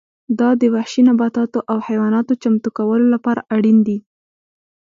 دا د وحشي نباتاتو او حیواناتو چمتو کولو لپاره اړین دي